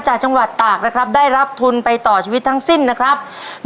จากจังหวัดตากนะครับได้รับทุนไปต่อชีวิตทั้งสิ้นนะครับ